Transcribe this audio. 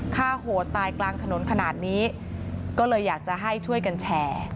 ฆ่าโหดตายกลางถนนขนาดนี้ก็เลยอยากจะให้ช่วยกันแชร์